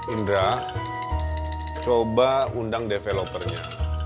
indra coba undang developernya